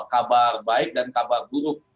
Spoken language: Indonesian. kabar baik dan kabar buruk